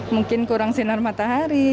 mungkin kurang sinar matahari